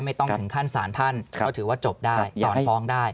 ไม่ต้องถึงขั้นศาลท่านเฉพาะจบได้ตอนฟ้องได้